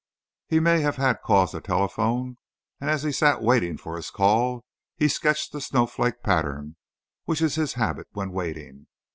He may have had cause to telephone, and as he sat waiting for his call, he sketched the snowflake pattern, which is his habit when waiting.